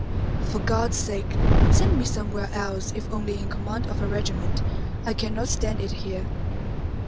For God's sake send me somewhere else if only in command of a regiment. I cannot stand it here.